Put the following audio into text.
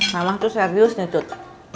kamu tuh serius nih tut